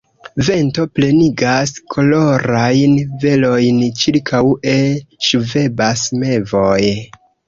Vento plenigas kolorajn velojn, ĉirkaŭe ŝvebas mevoj.